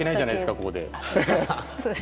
ここで。